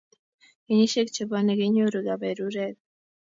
Kenyishiek chebwone kenyoru kaberuret